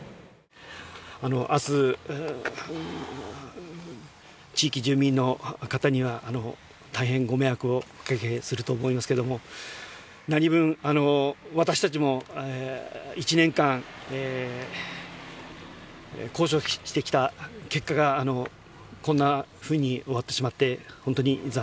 明日地域住民の方には大変ご迷惑をおかけすると思いますけどもなにぶん私たちも１年間交渉してきた結果がこんなふうに終わってしまって本当に残念に思います。